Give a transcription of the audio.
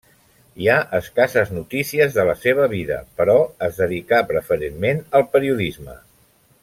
Hi ha escasses notícies de la seva vida, però es dedicà preferentment al periodisme.